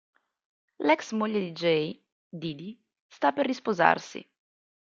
L'ex moglie di Jay, Dede, sta per risposarsi.